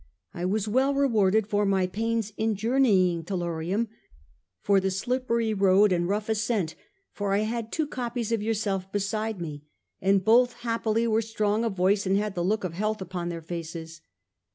I was well rewarded for my pains in journeying to Lorium, for the slippery road and rough ascent ; for I had two copies of yourself beside me, and both happily were strong of voice, and had the look of health upon their faces.